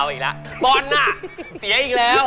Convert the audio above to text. เอาอีกแล้วบอลน่ะเสียอีกแล้ว